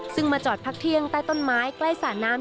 ซึ่งมาจอดพักเที่ยงใต้ต้นไม้ใกล้สระน้ำ